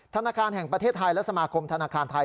ธนาคารแห่งประเทศไทยและสมาคมธนาคารไทย